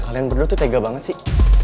kalian berdua tuh tega banget sih